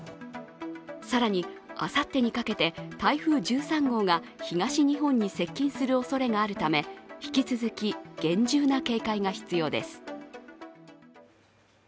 更に、あさってにかけて台風１３号が東日本に接近するおそれがあるため引き続き厳重な警戒が必要です。